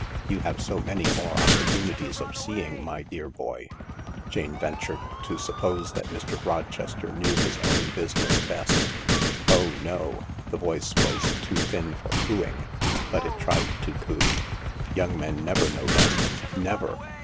You have so many more opportunities of seeing my dear son." Jane ventured to suppose that Mr. Rochester knew his own business best. " Oh no !" The voice was too thin for cooing, but it tried to coo. " Young men never know best — never.